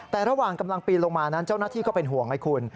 แต่ระหว่างกำลังปีนลงมานั้นเจ้าหน้าที่ก็เป็นห่วงไอ้คุณ